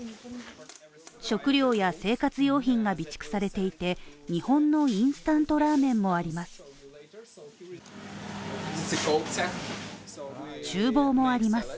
食料や生活用品が備蓄されていて、日本のインスタントラーメンもあります。